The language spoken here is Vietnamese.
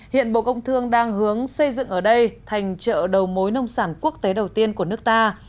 hiện bộ công thương đang hướng xây dựng ở đây thành chợ đầu mối nông sản quốc tế đầu tiên của nước ta